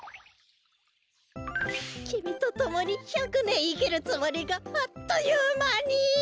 きみとともに１００ねんいきるつもりがあっというまに。